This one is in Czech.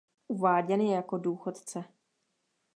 Uváděn je jako důchodce.